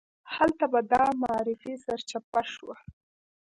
هلته به دا معرفي سرچپه شوه.